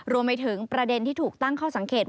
รวมไปถึงประเด็นที่ถูกตั้งข้อสังเกตว่า